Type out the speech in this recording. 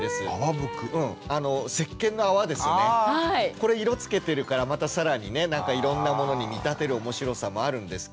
これ色つけてるからまた更にねいろんなものに見立てる面白さもあるんですけど。